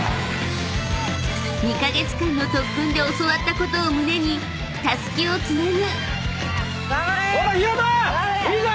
［２カ月間の特訓で教わったことを胸にたすきをつなぐ］